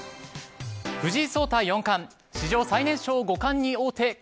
藤井聡太四冠史上最年少五冠に王手。